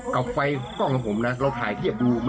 ใครมาถ่ายคลิปล่ะ